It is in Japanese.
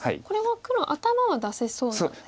これは黒頭は出せそうなんですか。